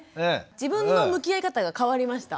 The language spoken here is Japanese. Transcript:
自分の向き合い方が変わりました。